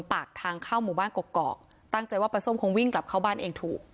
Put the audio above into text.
ปากทางเข้าหมู่บ้านกกอกตั้งใจว่าปลาส้มคงวิ่งกลับเข้าบ้านเองถูก